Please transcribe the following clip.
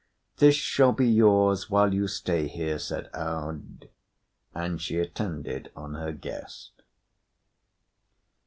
"This shall be yours while you stay here," said Aud. And she attended on her guest.